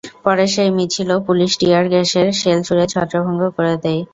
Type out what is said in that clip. পরে সেই মিছিলও police tear গ্যাসের শেল ছুড়ে ছত্রভঙ্গ করে দেয়।